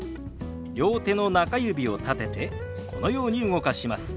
両手の中指を立ててこのように動かします。